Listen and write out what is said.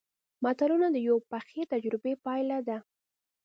متلونه د یوې پخې تجربې پایله ده